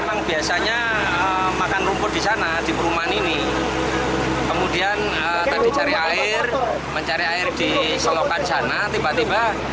sapi jantan yang biasanya dibiarkan berkeliaran di sekitar perumahan mewah ini